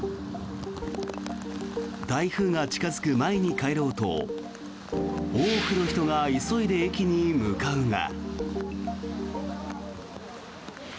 台風が近付く前に帰ろうと多くの人が急いで駅に向かうが。